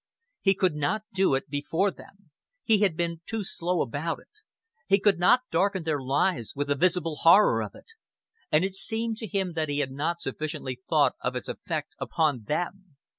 He could not do it before them. He had been too slow about it; he could not darken their lives with the visible horror of it. And it seemed to him that he had not sufficiently thought of its effect upon them.